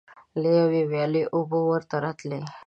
له یوې ویالې اوبه ورته راتللې.